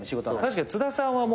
確かに津田さんはもう。